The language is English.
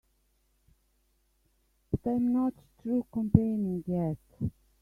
But I'm not through complaining yet.